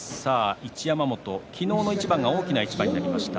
一山本、昨日の一番が大きな一番となりました。